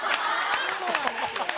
そうなんですよ。